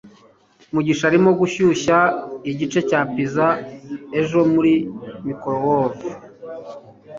mugisha arimo gushyushya igice cya pizza ejo muri microwave